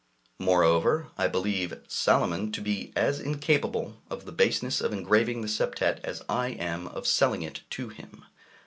Moreover, I believe Salomon to be as incapable of the baseness of engraving the septet as I am of selling it to him.